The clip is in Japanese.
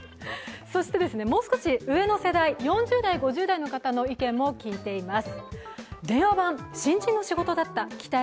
もう少し上の世代の方の意見も聞いています。